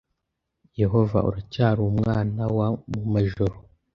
Yehova uracyari Umwana wa mumajoro